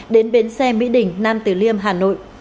đến bến xe mỹ đình nam tử liêm hà nội